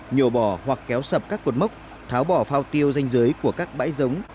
nhổ bỏ hoặc kéo sập các cột mốc tháo bỏ phao tiêu danh giới của các bãi giống